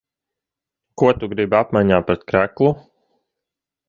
Ko tu gribi apmaiņā pret kreklu?